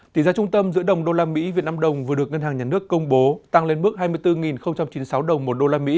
tỷ giá trung tâm giữa đồng usd vnđ vừa được ngân hàng nhà nước công bố tăng lên mức hai mươi bốn chín mươi sáu đồng một usd